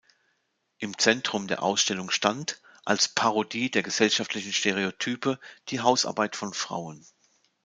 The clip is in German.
Im Zentrum der Ausstellung stand, als Parodie der gesellschaftlichen Stereotype, die Hausarbeit von Frauen.